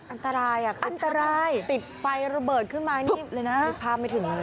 อันตรายอ่ะถ้าติดไฟระเบิดขึ้นมาปุ๊บเลยนะพาไม่ถึง